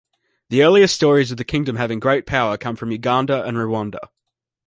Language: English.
The earliest stories of the kingdom having great power come from Uganda and Rwanda.